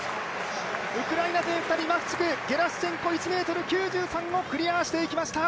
ウクライナ勢マフチク、ゲラシュチェンコ１ｍ９３をクリアしていきました。